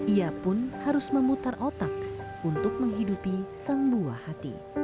ia pun harus memutar otak untuk menghidupi sang buah hati